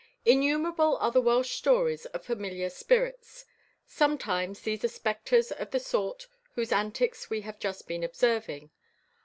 I. Innumerable are the Welsh stories of familiar spirits. Sometimes these are spectres of the sort whose antics we have just been observing.